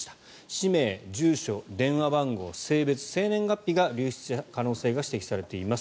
氏名、住所、電話番号性別、生年月日が流出した可能性が指摘されています。